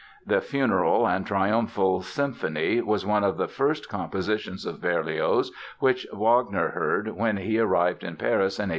The "Funeral and Triumphal Symphony" was one of the first compositions of Berlioz which Wagner heard when he arrived in Paris in 1840.